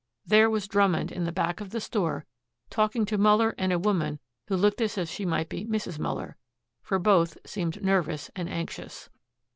There was Drummond in the back of the store talking to Muller and a woman who looked as if she might be Mrs. Muller, for both, seemed nervous and anxious.